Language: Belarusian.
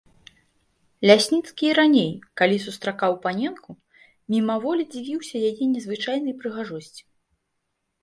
Лясніцкі і раней, калі сустракаў паненку, мімаволі дзівіўся яе незвычайнай прыгожасці.